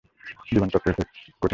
জীবনচক্রের এই এক কঠিন নিয়ম।